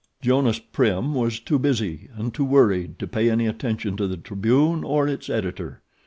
Jonas Prim was too busy and too worried to pay any attention to the Tribune or its editor.